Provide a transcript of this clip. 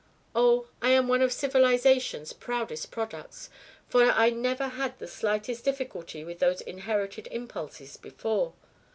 Oh, I am one of civilisation's proudest products, for I never had the slightest difficulty with those inherited impulses before.